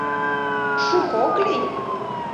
— Шуко ок лий?